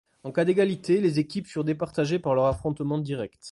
En cas d’égalité, les équipes furent départagées par leur affrontement direct.